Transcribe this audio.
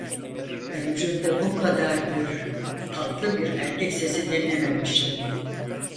Ömrümde bu kadar gür, tatlı bir erkek sesi dinlememiştim.